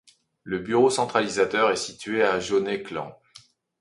Le bureau centralisateur est situé à Jaunay-Clan.